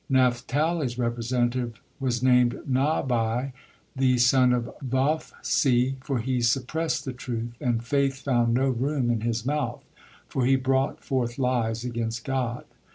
Naphtali's representative was named Nahbi, the son of Vophsi, for he suppressed the truth, and faith found no room in his mouth, for he brought forth lies against God.